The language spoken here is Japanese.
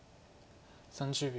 ３０秒。